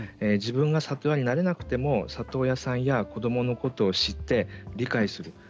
自分が里親になれなくても里親さんや子どものことを知って理解する。